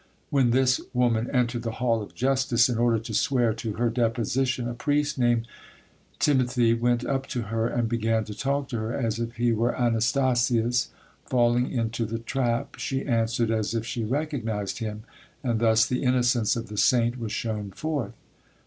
When this woman entered the hall of justice in order to swear to her deposition, a priest named Timothy went up to her and began to talk to her as if he were Anastasius; falling into the trap, she answered as if she recognised him, and thus the innocence of the saint was shown forth.